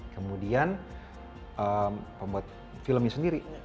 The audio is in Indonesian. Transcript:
kemudian pembuat filmnya sendiri